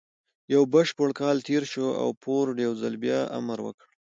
يو بشپړ کال تېر شو او فورډ يو ځل بيا امر وکړ.